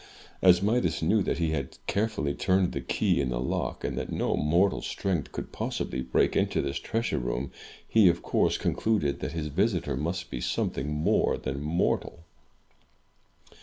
As Midas knew that he had carefully turned the key in the lock, and that no mortal strength could possibly break into this treasure room, he, of course, concluded that his visitor must be something more than mortal.